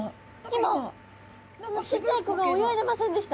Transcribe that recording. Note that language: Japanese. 今ちっちゃい子が泳いでませんでした？